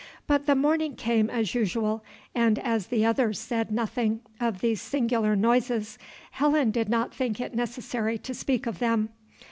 But the morning came as usual; and as the others said nothing of these singular noises, Helen did not think it necessary to speak of them.